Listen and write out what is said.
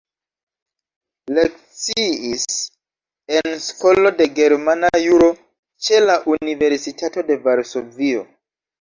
Lekciis en Skolo de Germana Juro ĉe la Universitato de Varsovio.